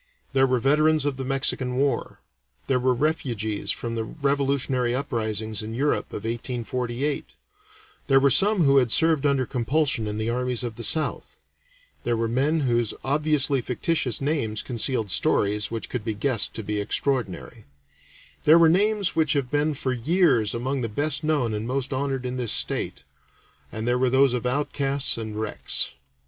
There were veterans of the Mexican War; there were refugees from the revolutionary uprisings in Europe of 1848; there were some who had served under compulsion in the armies of the South; there were men whose obviously fictitious names concealed stories which could be guessed to be extraordinary; there were names which have been for years among the best known and most honored in this state; and there were those of outcasts and wrecks.